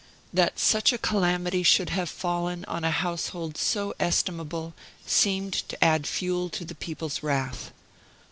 That such a calamity should have fallen on a household so estimable, seemed to add fuel to the people's wrath.